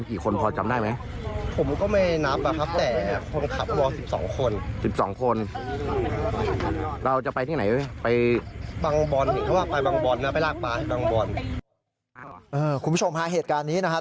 คุณผู้ชมฮะเหตุการณ์นี้นะครับ